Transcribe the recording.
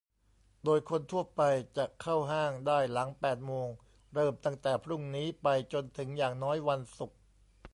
โดยคนทั่วไปจะเข้าห้างได้หลังแปดโมง เริ่มตั้งแต่พรุ่งนี้ไปจนถึงอย่างน้อยวันศุกร์